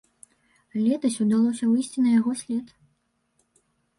Летась удалося выйсці на яго след.